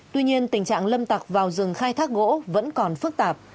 tuy nhiên tình trạng lâm tặc vào rừng khai thác gỗ vẫn còn phức tạp